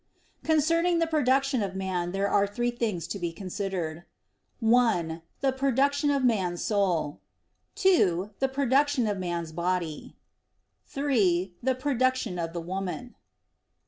Concerning the production of man, there are three things to be considered: (1) the production of man's soul; (2) the production of man's body; (3) the production of the woman.